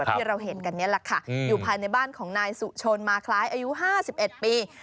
ที่เราเห็นกันนี่แหละค่ะอยู่ภายในบ้านของนายสุชนมาคล้ายอายุ๕๑ปี